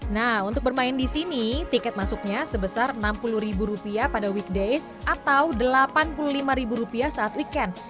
nah untuk bermain di sini tiket masuknya sebesar rp enam puluh pada weekdays atau rp delapan puluh lima saat weekend